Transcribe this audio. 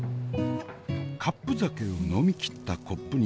カップ酒を飲みきったコップに。